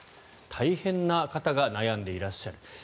大変な方が悩んでいらっしゃる。